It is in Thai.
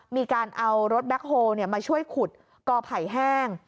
มีการเอารถแบ็คโฮลมาช่วยขุดกอไผ่แห้ง